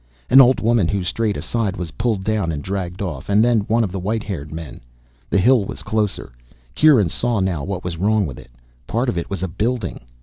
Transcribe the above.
An old woman who strayed aside was pulled down and dragged off, and then one of the white haired men. The hill was closer. Kieran saw now what was wrong with it. Part of it was a building.